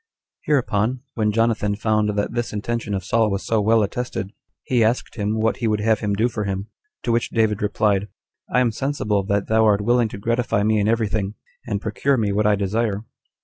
7. Hereupon, when Jonathan found that this intention of Saul was so well attested, he asked him what he would have him do for him. To which David replied, "I am sensible that thou art willing to gratify me in every thing, and procure me what I desire.